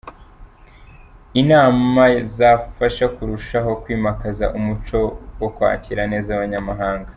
Inama zafasha kurushaho kwimakaza umuco wo kwakira neza abanyamahanga.